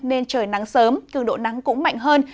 nên trời nắng sớm cường độ nắng cũng mạnh hơn